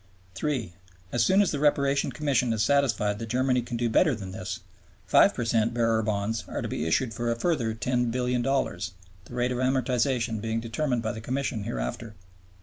3. As soon as the Reparation Commission is satisfied that Germany can do better than this, 5 per cent bearer bonds are to be issued for a further $10,000,000,000, the rate of amortization being determined by the Commission hereafter.